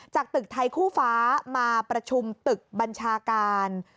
ตึกไทยคู่ฟ้ามาประชุมตึกบัญชาการ